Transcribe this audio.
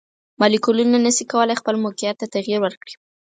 مالیکولونه نشي کولی خپل موقیعت ته تغیر ورکړي.